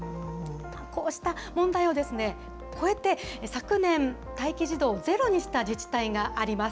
こうした問題を超えて昨年、待機児童をゼロにした自治体があります。